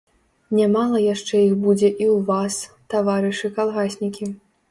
Нямала яшчэ іх будзе і ў вас, таварышы калгаснікі.